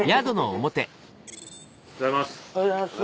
おはようございます。